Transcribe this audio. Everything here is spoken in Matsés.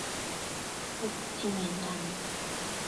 utsimenda nec